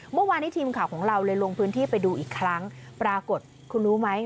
เมื่อวานนี้ทีมข่าวของเราเลยลงพื้นที่ไปดูอีกครั้งปรากฏคุณรู้ไหม